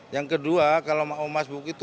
yang kedua kalau mak um mas buk itu